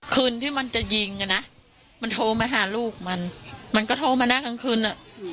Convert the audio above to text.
คืนที่มันจะยิงอ่ะนะมันโทรมาหาลูกมันมันก็โทรมานะกลางคืนอ่ะ